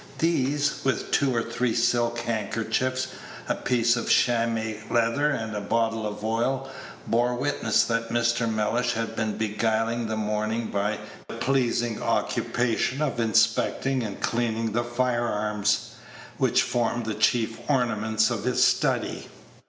These, with two or three silk handkerchiefs, a piece of chamois leather, and a bottle of oil, bore witness that Mr. Mellish had been beguiling the morning by the pleasing occupation of inspecting and cleaning the fire arms, which formed the chief ornaments of his study.